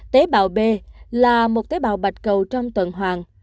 tế bào b là một tế bào bạch cầu trong tuần hoàng